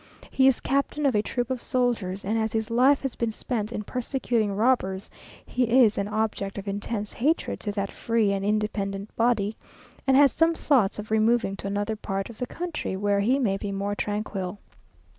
He is captain of a troop of soldiers, and as his life has been spent in "persecuting robbers," he is an object of intense hatred to that free and independent body, and has some thoughts of removing to another part of the country, where he may be more tranquil.